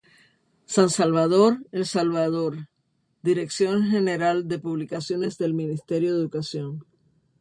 San Salvador, El Salvador: Dirección General de Publicaciones del Ministerio de Educación.